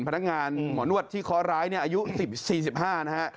พนักงานหมอนวดที่ขอร้ายเนี่ยอายุ๔๕นะฮะ